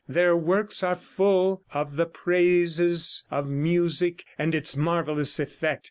Their works are full of the praises of music and its marvelous effect.